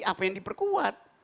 apa yang diperkuat